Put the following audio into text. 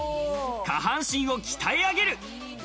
下半身を鍛え上げる。